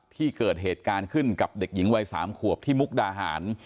ที่เกิดเหตุการณ์ขึ้นกับเด็กหญิงวัย๓ขวบที่มุกดาหาร